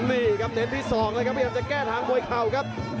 นี่ครับเน้นที่๒เลยครับพยายามจะแก้ทางมวยเข่าครับ